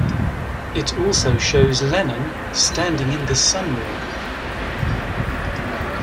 It also shows Lennon standing in the sunroom.